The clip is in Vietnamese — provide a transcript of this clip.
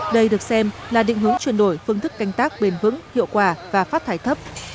đây được xem là định hướng chuyển đổi phương thức canh tác bền vững hiệu quả và phát thải thấp